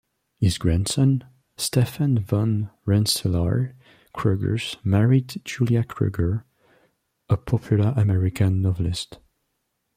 His grandson, Stephen Van Rensselaer Cruger married Julia Cruger, a popular American novelist.